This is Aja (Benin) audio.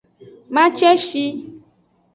Maceshi.